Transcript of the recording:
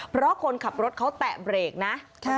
เพราะคนขับรถเขาแตะเบรกนะ